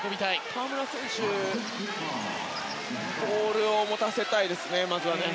河村選手にボールを持たせたいですね。